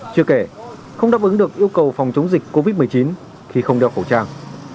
chưa kể không đáp ứng được yêu cầu phòng chống dịch covid một mươi chín khi không đeo khẩu trang